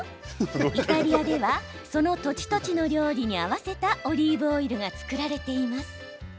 イタリアではその土地土地の料理に合わせたオリーブオイルが作られています。